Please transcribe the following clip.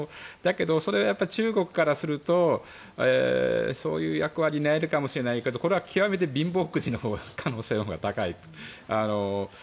だけど、それは中国からするとそういう役割になれるかもしれないけどこれは極めて貧乏くじの可能性が高いと。